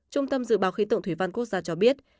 trung tâm dự báo khí tượng thủy văn quốc gia cho biết